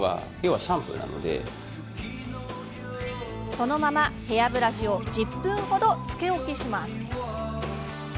そのままヘアブラシを１０分程つけ置きします。